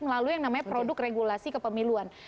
melalui yang namanya produk regulasi kepemiluan